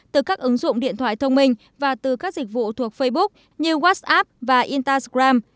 từ các ứng dụng điện thoại thông minh và từ các dịch vụ thuộc facebook như whatsapp và instagram